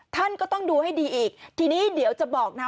ท่านก็ต้องดูให้ดีอีกทีนี้เดี๋ยวจะบอกนะ